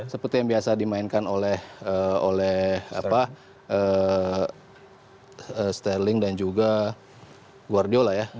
seperti yang biasa dimainkan oleh sterling dan juga guardio lah ya